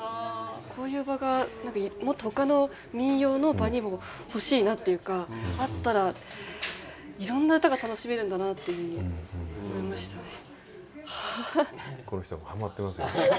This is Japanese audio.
こういう場がもっとほかの民謡の場にも欲しいなっていうかあったらいろんな唄が楽しめるんだなっていうふうに思いましたね。